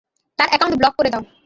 তার account block করে দাও।